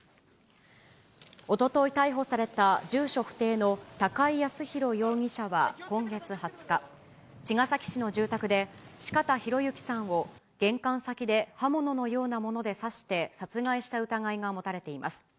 おととい逮捕された住所不定の高井靖弘容疑者は今月２０日、茅ヶ崎市の住宅で四方洋行さんを玄関先で刃物のようなもので刺して殺害した疑いが持たれています。